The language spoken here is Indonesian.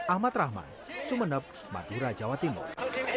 ahmad rahman sumeneb madura jawa timur